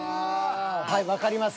はいわかります。